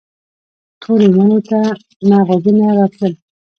تورې ونې نه غږونه راتلل.